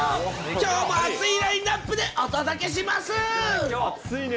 きょうも熱いラインナップでお届けします！